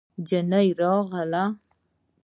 نجلۍ راغله.